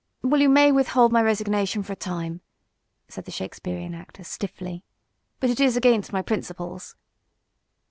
Well, you may with hold my resignation for a time," said the Shakespearean actor, stiffly. "But it is against my principles."